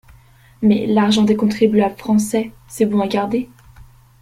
Mais l'argent des contribuables français, c'est bon à garder.